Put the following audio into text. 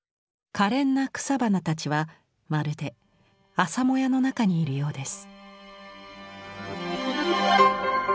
かれんな草花たちはまるで朝もやの中にいるようです。